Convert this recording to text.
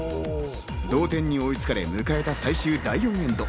同点に追いつかれ迎えた最終第４エンド。